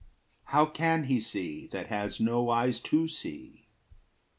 How can he see That has no eyes to see?